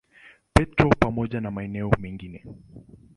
Petro pamoja na maeneo mengine.